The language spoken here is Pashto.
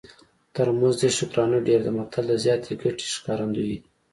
تر مزد یې شکرانه ډېره ده متل د زیاتې ګټې ښکارندوی دی